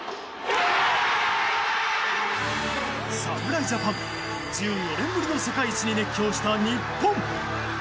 侍ジャパン、１４年ぶりの世界一に熱狂した日本。